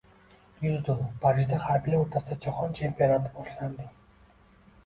Dzyudo: Parijda harbiylar o‘rtasida jahon chempionati boshlanding